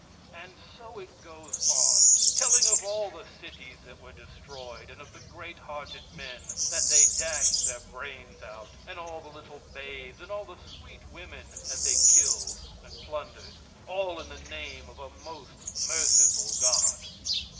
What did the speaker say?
And so it goes on, telling of all the cities that were destroyed, and of the great hearted men, that they dashed their brains out, and all the little babes, and all the sweet women that they killed and plundered all in the name of a most merciful God.